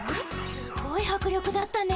すごいはく力だったね。